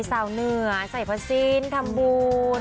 สาวเหนือใส่ภาษีนทำบูรณ์